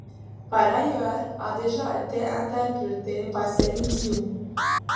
Par ailleurs, ' a déjà été interprétée par Céline Dion.